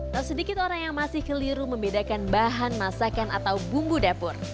tak sedikit orang yang masih keliru membedakan bahan masakan atau bumbu dapur